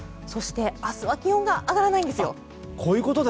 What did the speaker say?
そして明日は気温が上がらないんですよ。